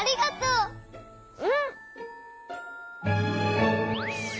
うん！